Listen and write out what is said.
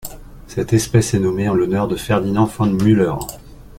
Cette espèce est nommée en l'honneur de Ferdinand von Müller.